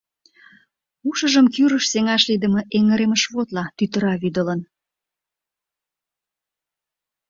Ушыжым кӱрышт сеҥаш лийдыме эҥыремышвотла тӱтыра вӱдылын.